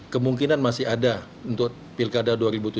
kemungkinan masih ada untuk pilkada dua ribu tujuh belas